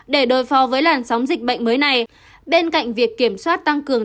để đối phó với làn sóng dịch bệnh mới này bên cạnh việc kiểm soát tăng cường